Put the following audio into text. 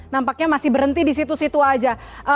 nampaknya masih berhenti di situ situ aja